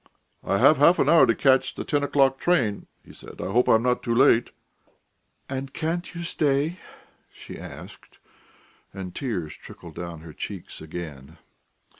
"I have half an hour to catch the ten o'clock train," he said. "I hope I am not too late." "And can't you stay?" she asked, and tears trickled down her cheeks again.